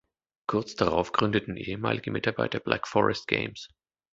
Kurz darauf gründeten ehemalige Mitarbeiter Black Forest Games.